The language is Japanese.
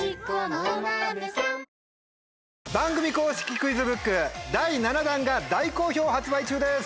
クイズブック第７弾が大好評発売中です。